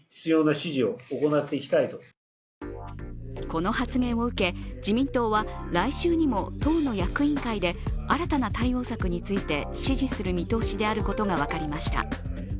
この発言を受け、自民党は来週にも党の役員会で新たな対応策について指示する見通しであることが分かりました。